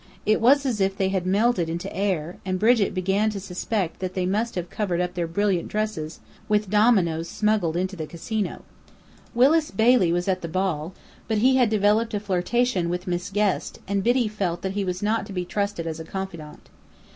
It was as if they had melted into air; and Brigit began to suspect that they must have covered up their brilliant dresses with dominoes smuggled into the Casino. Willis Bailey was at the ball, but he had developed a flirtation with Miss Guest, and Biddy felt that he was not to be trusted as a confidant.